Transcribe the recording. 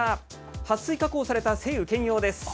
はっ水加工された、晴雨兼用です。